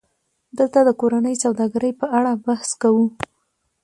دلته د کورنۍ سوداګرۍ په اړه بحث کوو